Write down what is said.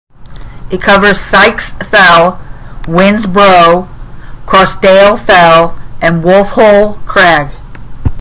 It covers Sykes Fell, Whins Brow, Croasdale Fell and Wolfhole Crag.